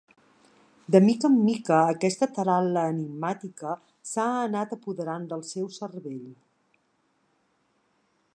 De mica en mica aquesta taral·la enigmàtica s'ha anat apoderant del seu cervell.